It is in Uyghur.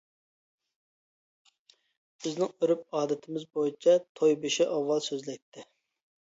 بىزنىڭ ئۆرپ-ئادىتىمىز بويىچە، توي بېشى ئاۋۋال سۆزلەيتتى.